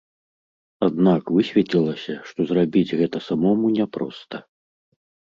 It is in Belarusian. Аднак высветлілася, што зрабіць гэта самому не проста.